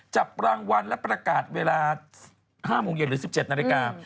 จับรางวัลและประกาศเวลา๕โมงเย็นหรือ๑๗นาฬิกา